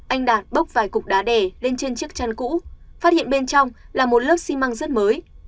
anh đạt bốc vài cục đá đè lên trên chiếc chăn cũ phát hiện bên trong là một lớp xi măng rất mới